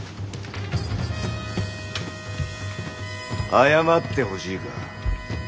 謝ってほしいか？